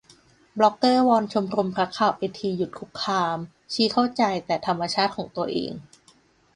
บล็อกเกอร์วอนชมรมรักข่าวไอทีหยุดคุกคาม ชี้เข้าใจแต่ธรรมชาติของตัวเอง